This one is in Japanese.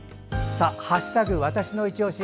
わたしのいちオシ」。